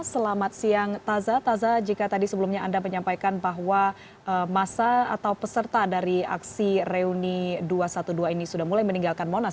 selamat siang taza taza jika tadi sebelumnya anda menyampaikan bahwa masa atau peserta dari aksi reuni dua ratus dua belas ini sudah mulai meninggalkan monas